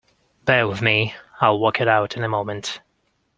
Bear with me; I'll work it out in a moment.